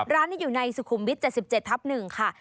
ร้านนี้อยู่ในสุขุมวิทย๗๗ทับ๑ค่ะ